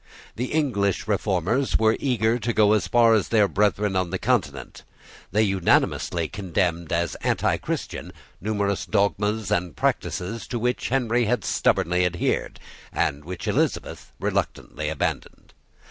The English Reformers were eager to go as far as their brethren on the Continent. They unanimously condemned as Antichristian numerous dogmas and practices to which Henry had stubbornly adhered, and which Elizabeth reluctantly abandoned.